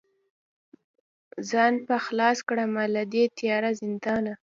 ځان به خلاص کړمه له دې تیاره زندانه